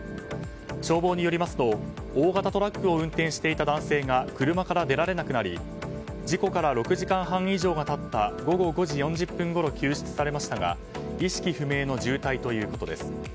消防によりますと大型トラックを運転していた男性が車から出られなくなり事故から６時間半以上が経った午後５時４０分ごろ救出されましたが意識不明の重体ということです。